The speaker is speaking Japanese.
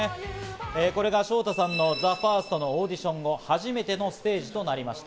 これがＳＨＯＴＡさんのＴＨＥＦＩＲＳＴのオーディション後、初めてのステージとなりました。